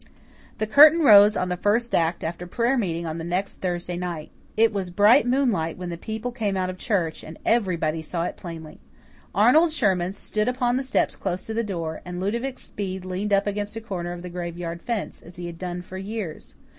The curtain rose on the first act after prayer meeting on the next Thursday night. It was bright moonlight when the people came out of church, and everybody saw it plainly. Arnold Sherman stood upon the steps close to the door, and Ludovic Speed leaned up against a corner of the graveyard fence, as he had done for years.